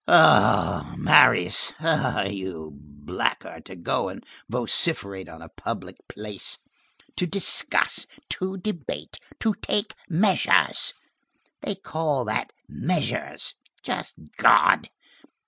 Ah! Marius! Ah! you blackguard! to go and vociferate on the public place! to discuss, to debate, to take measures! They call that measures, just God!